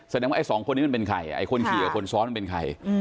แสดงว่าไอ้สองคนนี้มันเป็นใครไอ้คนขี่กับคนซ้อนมันเป็นใคร